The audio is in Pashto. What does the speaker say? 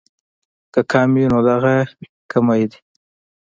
کۀ کم وي نو دغه کمے دې